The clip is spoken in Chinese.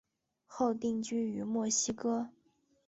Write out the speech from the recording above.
后定居于墨西哥。